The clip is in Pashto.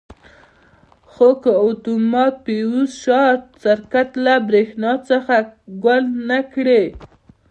خو که اتومات فیوز شارټ سرکټ له برېښنا څخه ګل نه کړي.